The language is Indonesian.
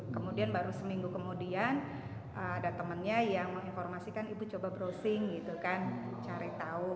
kemudian baru seminggu kemudian ada temannya yang menginformasikan ibu coba browsing gitu kan cari tahu